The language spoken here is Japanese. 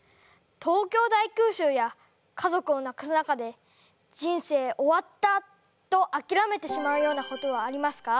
東京大空襲や家族を亡くす中で人生終わったとあきらめてしまうようなことはありますか？